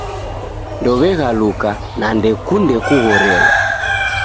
Ndow'eghaluka na ndekunde kughorelwa